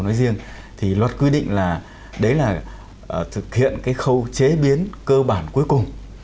nói riêng thì luật quy định là đấy là thực hiện cái khâu chế biến cơ bản cuối cùng